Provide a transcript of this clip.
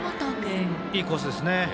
いいコースですね。